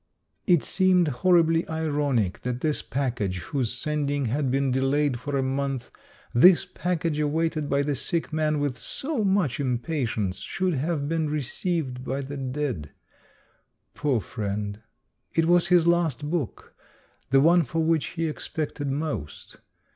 It seemed horribly ironic that this package, whose sending had been delayed for a month, this pack age awaited by the sick man with so much impa tience, should have been received by the dead. Poor friend ! it was his last book, the one for which he expected most.